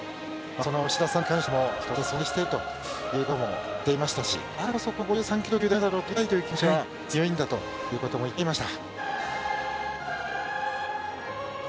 その吉田さんに関しても人として尊敬しているということも言っていましたし、だからこそこの５３キロ級で金メダルをとりたいたいという気持ちが強いんだということも言っていました。